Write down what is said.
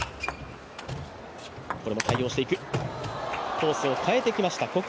コースを変えてきました。